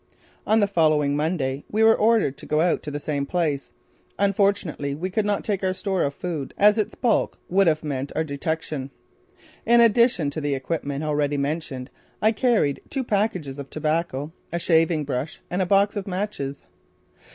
On the following Monday we were ordered to go out to the same place. Unfortunately we could not take our store of food as its bulk would have meant our detection. In addition to the equipment already mentioned I carried two packages of tobacco, a shaving brush and a box of matches.